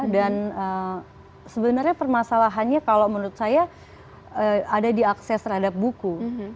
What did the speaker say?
dan sebenarnya permasalahannya kalau menurut saya ada diakses terhadap buku